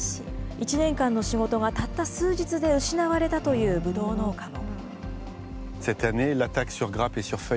１年間の仕事がたった数日で失われたというブドウ農家も。